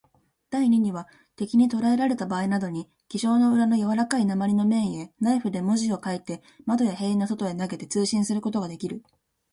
第二には、敵にとらえられたばあいなどに、記章の裏のやわらかい鉛の面へ、ナイフで文字を書いて、窓や塀の外へ投げて、通信することができる。